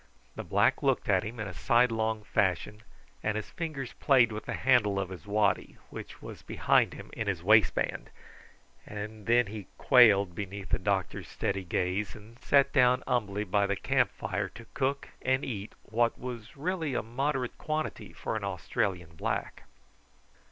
The black looked at him in a sidelong fashion, and his fingers played with the handle of his waddy, which was behind him in his waistband, and then he quailed beneath the doctor's steady gaze, and sat down humbly by the camp fire to cook and eat what was really a moderate quantity for an Australian black.